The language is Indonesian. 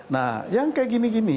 nah yang kayak gini gini